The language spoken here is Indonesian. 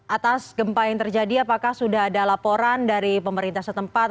atas gempa yang terjadi apakah sudah ada laporan dari pemerintah setempat